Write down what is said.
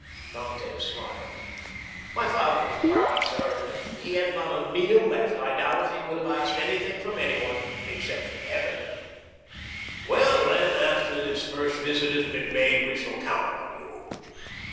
Dantès smiled. "My father is proud, sir, and if he had not a meal left, I doubt if he would have asked anything from anyone, except from Heaven." "Well, then, after this first visit has been made we shall count on you."